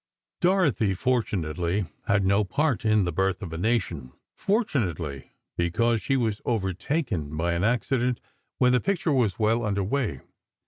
Dorothy fortunately had no part in "The Birth of a Nation"—fortunately, because she was overtaken by an accident when the picture was well under way.